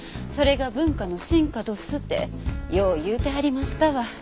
それが文化の進化どすってよう言うてはりましたわ。